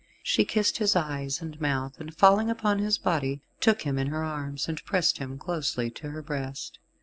She kissed his eyes and mouth, and falling upon his body, took him in her arms, and pressed him closely to her breast.